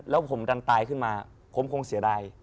แล้วผมดันตายขึ้นมาผมคงเสียดาย